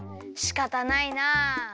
しかたないなあ。